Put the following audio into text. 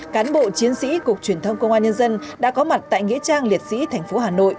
cán bộ chiến sĩ cục truyền thông công an nhân dân đã có mặt tại nghĩa trang liệt sĩ thành phố hà nội